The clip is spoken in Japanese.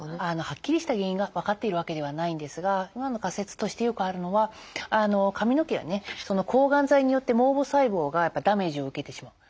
はっきりした原因が分かっているわけではないんですが今の仮説としてよくあるのは髪の毛はねその抗がん剤によって毛母細胞がダメージを受けてしまう。